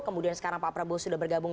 kemudian sekarang pak prabowo sudah bergabung